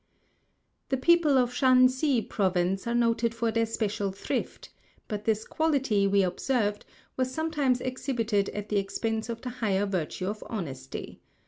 The people of Shan si province are noted for their special thrift, but this quality we observed was sometimes exhibited at the expense of the higher virtue of honesty.